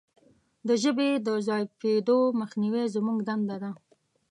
د ژبې د ضعیفیدو مخنیوی زموږ دنده ده.